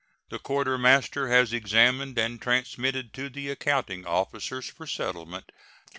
The Quartermaster has examined and transmitted to the accounting officers for settlement $367,172.